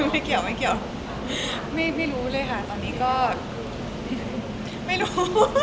ไม่เกี่ยวไม่รู้เลยค่ะตอนนี้ก็ไม่รู้